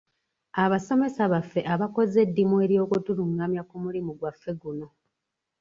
Abasomesa baffe abakoze eddimu ery’okutulungamya ku mulimu gwaffe guno.